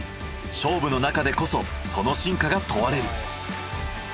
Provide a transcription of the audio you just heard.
勝負のなかでこそその真価が問われる。